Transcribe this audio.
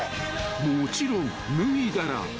［もちろん脱いだら］